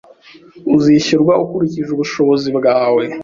Uzishyurwa ukurikije ubushobozi bwawe.